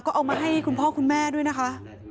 ก็เอามาให้คุณพ่อคุณแม่ด้วยนะคะ